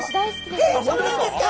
えそうなんですか？